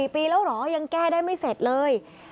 ปีแล้วเหรอยังแก้ได้ไม่เสร็จเลย